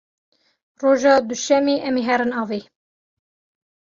Roja duşemê em ê herin avê.